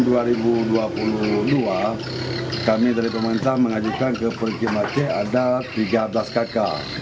sekitar tahun dua ribu dua puluh dua kami dari pemerintah mengajukan ke perikimace ada tiga belas kakak